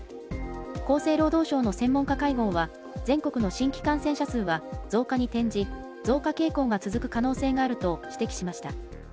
厚生労働省の専門家会合は、全国の新規感染者数は増加に転じ、増加傾向が続く可能性があると指摘しました。